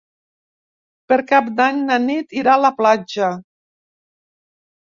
Per Cap d'Any na Nit irà a la platja.